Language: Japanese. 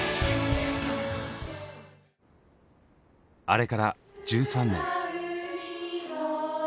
あれから１３年。